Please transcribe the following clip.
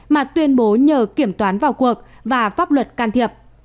mà tuyên bố nhờ kiểm toán vào cuộc và pháp luật can thiệp